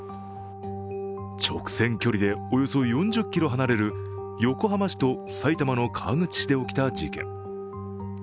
直線距離でおよそ４０ｋｍ離れる横浜市と埼玉の川口市で起きた事件。